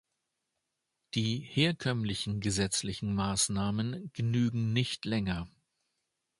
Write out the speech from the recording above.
Die herkömmlichen gesetzlichen Maßnahmen genügen nicht länger.